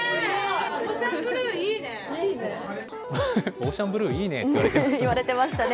オーシャンブルー、いいねって言われてますね。